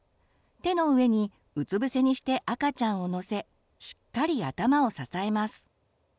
手の上にうつぶせにして赤ちゃんを乗せしっかり頭を支えます。